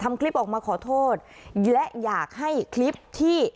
คลิปออกมาขอโทษและอยากให้คลิปที่